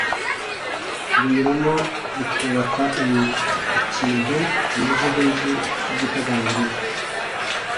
binyuranamo bikubaka ikintu kimeze nkinzu yigitagangurirwa